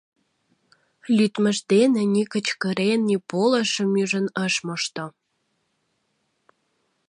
Лӱдмыж дене ни кычкырен, ни полышым ӱжын ыш мошто.